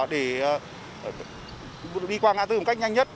để đi qua ngã tư một cách nhanh nhất